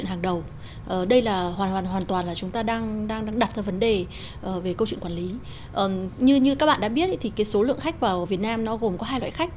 như các bạn đã biết số lượng khách vào việt nam gồm có hai loại khách